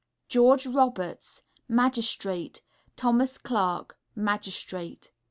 GEORGE ROBERTS, Magistrate. THOMAS CLARK, Magistrate. H.